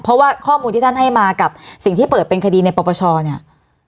เพราะว่าข้อมูลที่ท่านให้มากับสิ่งที่เปิดเป็นคดีในปปชเนี่ย